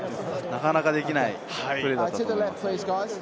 なかなかできないプレーだったと思います。